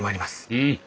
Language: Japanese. うん。